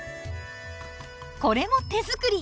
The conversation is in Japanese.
これも手作り！